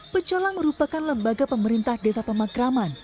pecalang merupakan lembaga pemerintah desa pemakraman